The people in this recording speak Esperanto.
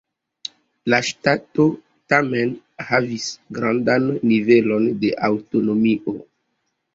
La ŝtato tamen havis grandan nivelon de aŭtonomio.